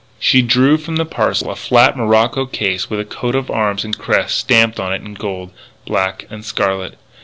She drew from the parcel a flat morocco case with a coat of arms and crest stamped on it in gold, black, and scarlet.